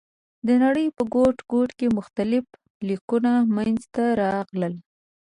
د نړۍ په ګوټ ګوټ کې مختلف لیکونه منځ ته راغلل.